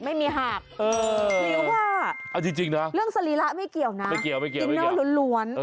ไม่มีหากหรือว่าเรื่องศรีระไม่เกี่ยวนะดินเนอร์ล้วน